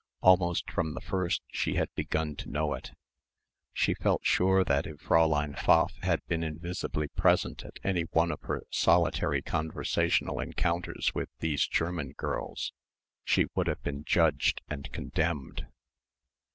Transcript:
Almost from the first she had begun to know it. She felt sure that if Fräulein Pfaff had been invisibly present at any one of her solitary conversational encounters with these German girls she would have been judged and condemned.